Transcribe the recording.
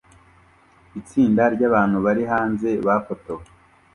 Itsinda ryabantu bari hanze bafotowe